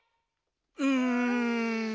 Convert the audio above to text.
うん。